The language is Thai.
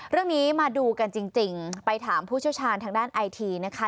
เรื่องนี้มาดูกันจริงไปถามผู้เชี่ยวชาญทางด้านไอทีนะคะ